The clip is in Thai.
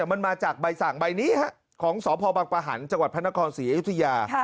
มันมาจากใบสั่งใบนี้ครับของสพประหันต์จพศอยุธยา